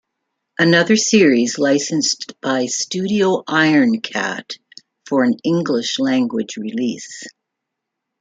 Another series licensed by Studio Ironcat for an English-language release.